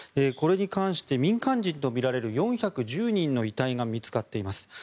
これに関して民間人とみられる４１０人の遺体が見つかっています。